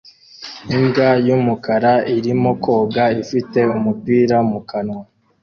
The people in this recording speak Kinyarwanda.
Imbwa y'umukara irimo koga ifite umupira mu kanwa